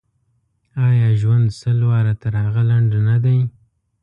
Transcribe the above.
آیا ژوند سل واره تر هغه لنډ نه دی.